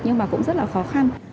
nhưng mà cũng rất là khó khăn